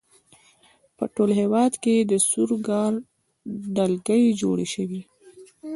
په ټول هېواد کې د سور ګارډ ډلګۍ جوړې شوې.